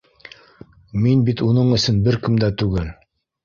— Мин бит уның өсөн бер кем түгел